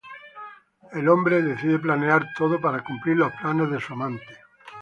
El hombre decide planear todo para cumplir los planes de su amante.